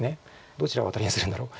どちらをアタリにするんだろう。